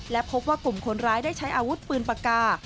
และพบว่ากลุ่มคนร้ายได้ใช้อาวุธปืนปากกา